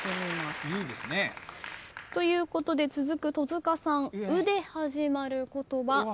いいですね。ということで続く戸塚さん「う」で始まる言葉。